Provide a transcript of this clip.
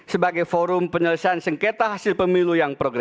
sebagai forum penyelesaian sengketa hasil pemilu